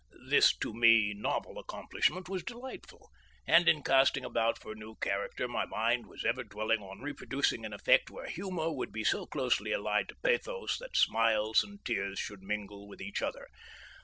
This to me novel accomplishment was delightful, and in casting about for a new character my mind was ever dwelling on reproducing an effect where humour would be so closely allied to pathos that smiles and tears should mingle with each other.